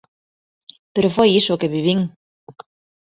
Pero foi iso o que vivín.